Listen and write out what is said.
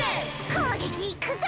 こうげきいくぞ！